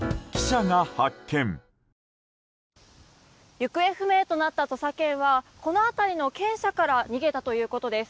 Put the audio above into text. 行方不明となった土佐犬はこの辺りの犬舎から逃げたということです。